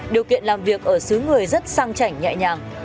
điều kiện làm việc ở xứ người rất sang chảnh nhẹ nhàng